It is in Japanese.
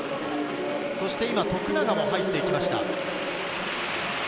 今、徳永も入っていきました。